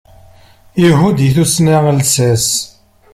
Ihud i tusna lsas.